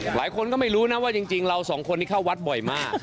หลายคนก็ไม่รู้นะว่าจริงเราสองคนนี้เข้าวัดบ่อยมาก